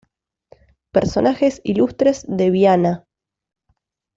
Personajes ilustres de Viana